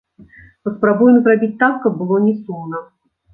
Паспрабуем зрабіць так, каб было не сумна.